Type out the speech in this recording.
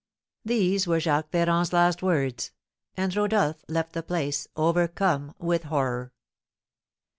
These were Jacques Ferrand's last words, and Rodolph left the place overcome with horror.